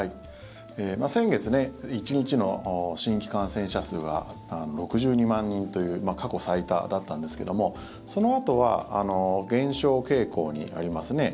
先月１日の新規感染者数は６２万人という過去最多だったんですけどもそのあとは減少傾向にあります。